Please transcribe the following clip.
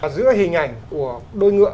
giữa hình ảnh của đôi ngựa